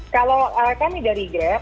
kalau kami dari grab